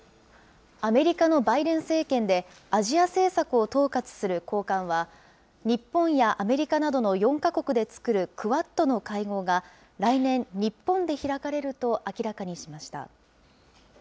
アメリカのバイデン政権で、アジア政策を統括する高官は、日本やアメリカなどの４か国で作るクアッドの会合が、来年、日本で開かれると明らかにしました。